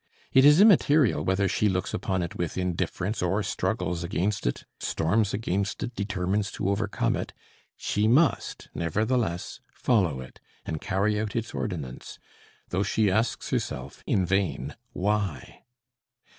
It is immaterial whether she looks upon it with indifference or struggles against it, storms against it, determines to overcome it. She must nevertheless follow it and carry out its ordinance, though she asks herself, in vain, why.